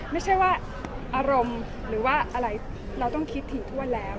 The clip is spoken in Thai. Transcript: ไม่ใช่ว่าอารมณ์หรือว่าอะไรเราต้องคิดถี่ถ้วนแล้ว